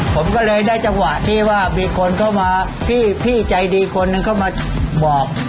ผมก็เลยได้จังหวะที่ว่ามีคนเข้ามาพี่ใจดีคนหนึ่งเข้ามาบอก